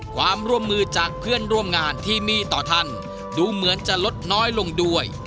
ความร่วมมือจากเพื่อนร่วมงานที่มีต่อท่านดูเหมือนจะลดน้อยลงด้วย